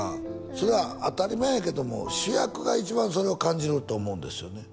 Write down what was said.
それは当たり前やけども主役が一番それを感じると思うんですよね